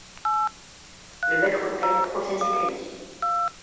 Le maître-autel provient d'Italie.